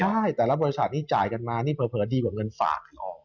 ใช่แต่ละบริษัทนี้จ่ายกันมานี่เผลอดีกว่าเงินฝากทอง